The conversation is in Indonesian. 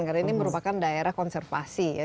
karena ini merupakan daerah konservasi ya